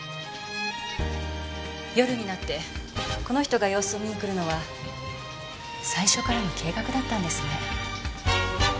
夜になってこの人が様子を見に来るのは最初からの計画だったんですね。